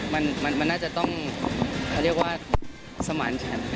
มันน่าจะต้องเขาเรียกว่าสมานฉัน